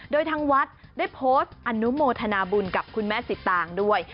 โดยทางวัดได้โพสต์อนุโมทนาบุญกับคุณแม่สิตางด้วย